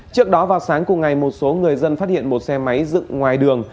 trước đó vào sáng cùng ngày một số người dân phát hiện một xe máy dựng ngoài đường